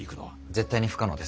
絶対に不可能です。